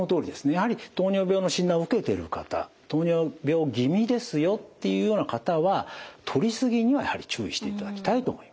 やはり糖尿病の診断を受けてる方糖尿病気味ですよっていうような方はとり過ぎにはやはり注意していただきたいと思います。